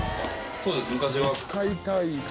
そうです昔は。